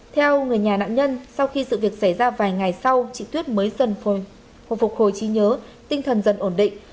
theo người nhà nạn nhân sau khi sự việc xảy ra vài ngày sau chị tuyết mới phục hồi trí nhớ tinh thần dần ổn định